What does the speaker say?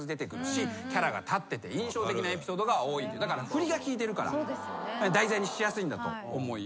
振りが効いてるから題材にしやすいんだと思います。